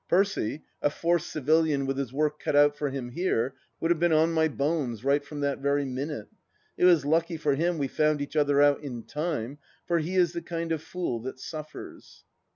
Percy, a forced civilian with his work cut out for him here, would have been on my bones, right from that very minute 1 It was lucky for him we found each other out in time, for he is the kind of fool that suffers.